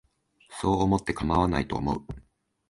そう思ってかまわないと思う